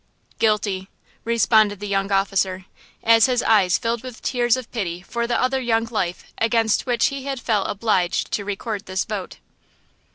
"Guilty," responded the young officer, as his eyes filled with tears of pity for the other young life against which he had felt obliged to record this vote.